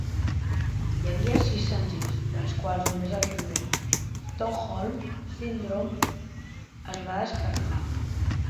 Hi havia sis senzills, dels quals només el primer, "Stockholm Syndrome", es va descarregar.